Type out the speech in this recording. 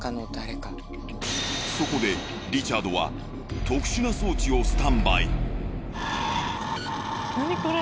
そこでリチャードは特殊な装置をスタンバイ。